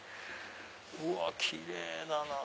うわキレイだなぁ。